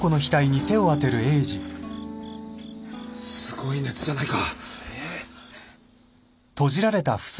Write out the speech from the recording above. すごい熱じゃないか。